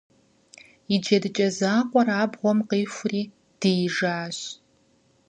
И джэдыкӀэ закъуэр абгъуэм къихури диижащ.